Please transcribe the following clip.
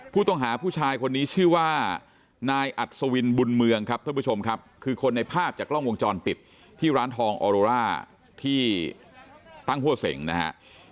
ผู้ต้องหาผู้ชายคนนี้ชื่อว่านายอัศวินบุญเมืองครับท่านผู้ชมครับคือคนในภาพจากกล้องวงจรปิดที่ร้านทองออโรล่าที่ตั้งหัวเสงนะฮะ